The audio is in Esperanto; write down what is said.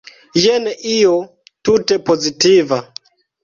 Jen io tute pozitiva.